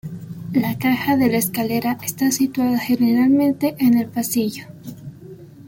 La caja de la escalera está situada generalmente en el pasillo.